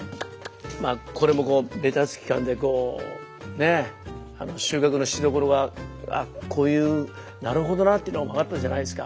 まあこれもベタつき感でこうねえ収穫のしどころがあこういうなるほどなっていうのが分かったじゃないですか。